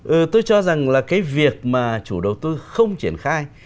à tôi cho rằng là cái việc mà chủ đầu tư không triển khai